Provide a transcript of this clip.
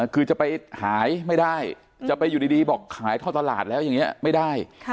คือจะไปหายไม่ได้จะไปอยู่ดีบอกขายท่อตลาดแล้วอย่างนี้ไม่ได้